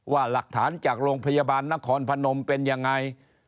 ว่าหลักฐานจากโรงพยาบาลนครพนมเป็นยังไง